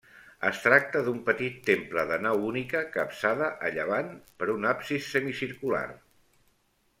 Es tracta d'un petit temple de nau única capçada a llevant per un absis semicircular.